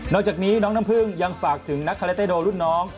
จากนี้น้องน้ำพึ่งยังฝากถึงนักคาเลเต้โดรุ่นน้อง